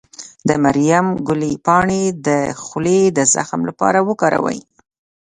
د مریم ګلي پاڼې د خولې د زخم لپاره وکاروئ